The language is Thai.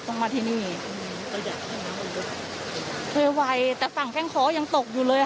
ต้องมาที่นี่เคยไวแต่ฝั่งแข้งคอยังตกอยู่เลยอ่ะ